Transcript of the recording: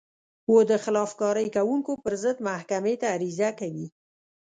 و د خلاف کارۍ کوونکو پر ضد محکمې ته عریضه کوي.